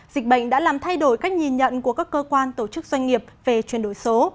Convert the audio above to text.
dịch bệnh đã làm thay đổi cách nhìn nhận của các cơ quan tổ chức doanh nghiệp về chuyển đổi số